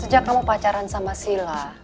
sejak kamu pacaran sama sila